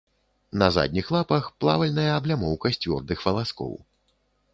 На задніх лапах плавальная аблямоўка з цвёрдых валаскоў.